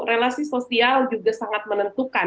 relasi sosial juga sangat menentukan